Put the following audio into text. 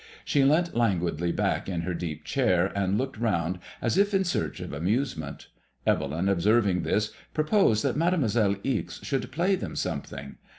She leant languidly back in her deep chair, and looked round as if in search of amusement. Bvel)^, observing this, proposed that Mademoiselle /a IIADEMOISSLLB IXE. Ixe should play them something.